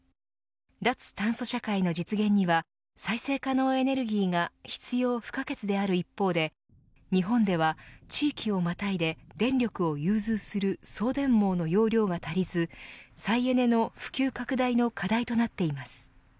脱炭素社会の実現には再生可能エネルギーが必要不可欠である一方で日本では地域をまたいで電力を融通する送電網の容量が足りず再エネの普及拡大の課題となっています。